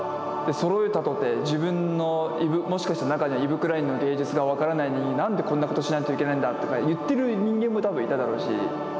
そろえたとて自分のもしかして中にはイヴ・クラインの芸術が分からないのに何でこんなことしないといけないんだとか言ってる人間も多分いただろうし。